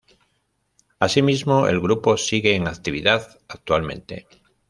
Asimismo, el grupo sigue en actividad actualmente.